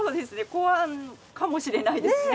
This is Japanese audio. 考案かもしれないですね。